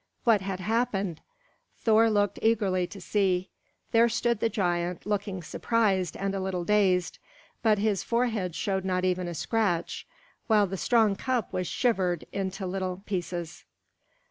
What had happened? Thor looked eagerly to see. There stood the giant, looking surprised and a little dazed; but his forehead showed not even a scratch, while the strong cup was shivered into little pieces.